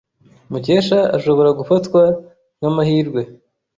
Mukesha ashobora gufatwa nkamahirwe.